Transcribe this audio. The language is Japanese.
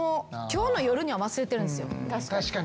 確かに。